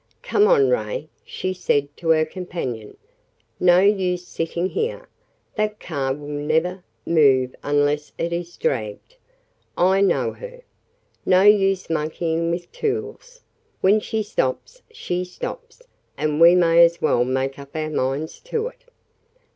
"Come on, Ray," she said to her companion. "No use sitting there. That car will never, move unless it is dragged. I know her. No use monkeying with tools. When she stops, she stops, and we may as well make up our minds to it."